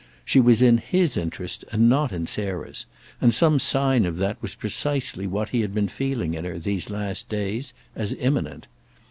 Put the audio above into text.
She was in his interest and not in Sarah's, and some sign of that was precisely what he had been feeling in her, these last days, as imminent.